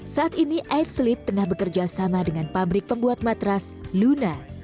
saat ini aidsleep tengah bekerja sama dengan pabrik pembuat matras luna